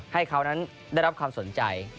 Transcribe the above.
ให้เขานั้นได้รับความสนใจ